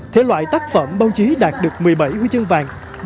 thể loại tác phẩm báo chí đạt được một mươi bảy huy chương vàng